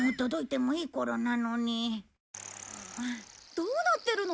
どうなってるの？